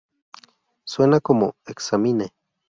Suena como "examine"".